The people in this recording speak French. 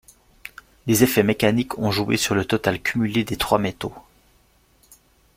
Des effets mécaniques ont joué sur le total cumulé des trois métaux.